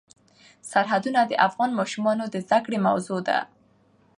سرحدونه د افغان ماشومانو د زده کړې موضوع ده.